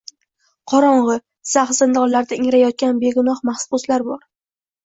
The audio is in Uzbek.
Qorong’i, zax zindonlarda ingrayotgan begunoh mahbuslar bor.